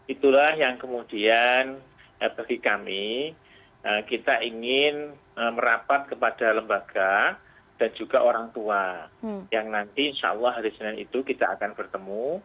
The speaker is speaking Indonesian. itulah yang kemudian bagi kami kita ingin merapat kepada lembaga dan juga orang tua yang nanti insya allah hari senin itu kita akan bertemu